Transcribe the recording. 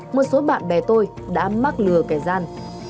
một số bạn bè tôi đã mắc lừa kẻ gian